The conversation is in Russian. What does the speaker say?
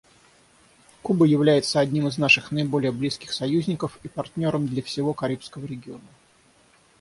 Куба является одним из наших наиболее близких союзников и партнером для всего Карибского региона.